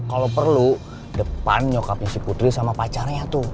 kalau perlu depan nyokapnya si putri sama pacarnya tuh